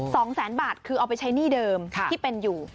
สองแสนบาทคือเอาไปใช้หนี้เดิมที่เป็นอยู่